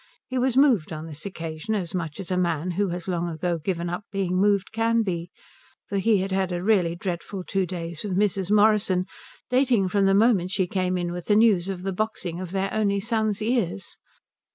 He was moved on this occasion as much as a man who has long ago given up being moved can be, for he had had a really dreadful two days with Mrs. Morrison, dating from the moment she came in with the news of the boxing of their only son's ears.